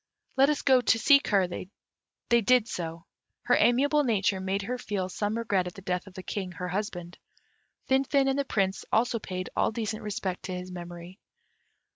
Let us go to seek her." They did so. Her amiable nature made her feel some regret at the death of the King, her husband. Finfin and the Prince also paid all decent respect to his memory.